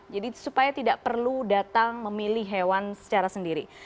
jadi supaya tidak perlu datang memilih hewan secara sendiri